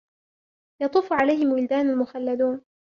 يَطُوفُ عَلَيْهِمْ وِلْدَانٌ مُّخَلَّدُونَ